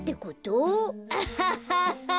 アハハハ！